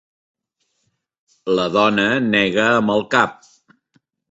La dona nega amb el cap.